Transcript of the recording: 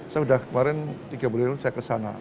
saya udah kemarin tiga puluh tahun saya ke sana